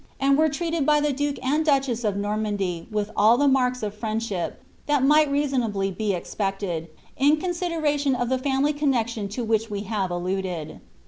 and were treated by the duke and duchess of Nornisndy with all the macka of friendship that might reasonably be expected, in ' I of the family connexion to which we have alluded.'